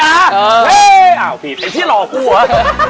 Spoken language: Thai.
นายพี่ตลอดนึงหรอ